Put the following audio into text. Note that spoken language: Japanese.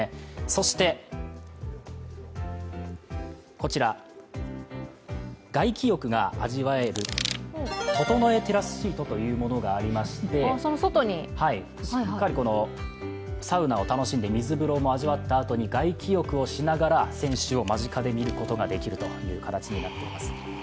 そして、外気浴が味わえるととのえテラスシートというものがありまして、しっかりサウナを楽しんで水風呂も味わったあとに外気浴をしながら選手を間近で見ることができる形になっています。